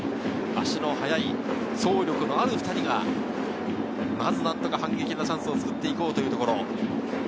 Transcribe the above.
足の速い走力のある２人がまず何とか反撃のチャンスを作って行こうというところ。